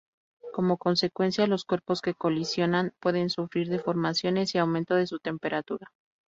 Como consecuencia, los cuerpos que colisionan pueden sufrir deformaciones y aumento de su temperatura.